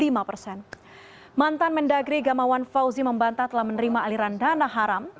mantan menteri dalam negeri gamawan fauzi membantah telah menerima aliran dana haram